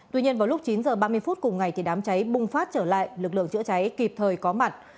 tuy nhiên vào lúc chín h ba mươi phút cùng ngày đám cháy bùng phát trở lại lực lượng chữa cháy kịp thời có mặt